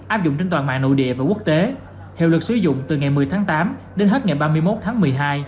áp dụng trên toàn mạng nội địa và quốc tế hiệu lực sử dụng từ ngày một mươi tháng tám đến hết ngày ba mươi một tháng một mươi hai